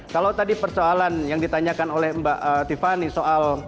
kalau tadi persoalan yang ditanyakan oleh mbak tiffany soal